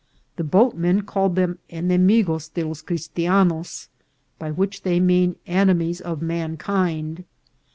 The boatmen called them A DISASTER. enemigos de los Christianos, by which they mean ene mies of mankind.